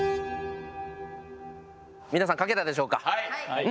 皆さん書けたでしょうか。